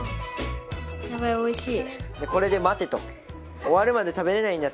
やばいおいしい。